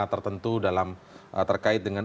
tertentu dalam terkait dengan